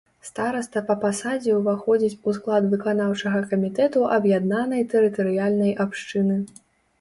Стараста па пасадзе ўваходзіць у склад выканаўчага камітэту аб'яднанай тэрытарыяльнай абшчыны.